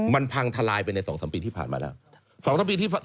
มันพังทลายไปใน๒๓ปีที่ผ่านมาแล้ว